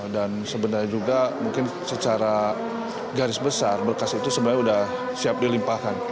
dan sebenarnya juga mungkin secara garis besar berkas itu sebenarnya udah siap dilimpahkan